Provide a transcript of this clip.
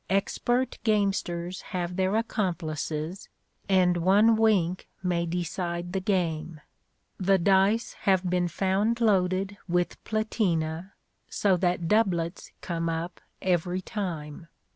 Expert gamesters have their accomplices, and one wink may decide the game. The dice have been found loaded with platina, so that "doublets" come up every time.